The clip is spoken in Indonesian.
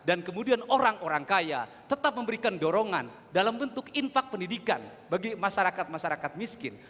dan kemudian orang orang kaya tetap memberikan dorongan dalam bentuk impak pendidikan bagi masyarakat masyarakat miskin